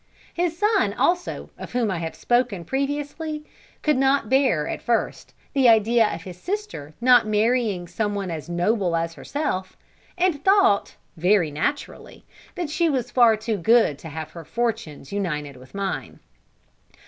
His son, also, of whom I have spoken previously, could not bear, at first, the idea of his sister not marrying some one as noble as herself, and thought, very naturally, that she was far too good to have her fortunes united with mine.